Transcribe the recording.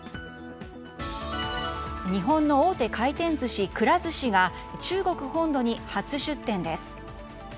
日本の大手回転寿司、くら寿司が中国本土に初出店です。